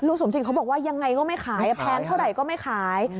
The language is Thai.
สมจิตเขาบอกว่ายังไงก็ไม่ขายแพงเท่าไหร่ก็ไม่ขาย